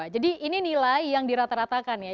jadi ini nilai yang dirata ratakan ya